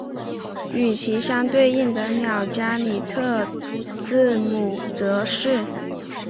与其相对应的乌加里特字母则是。